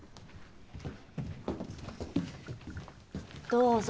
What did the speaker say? どうぞ。